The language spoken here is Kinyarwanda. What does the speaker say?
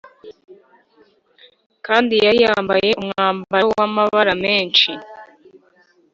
Kandi yari yambaye umwambaro w’amabara menshi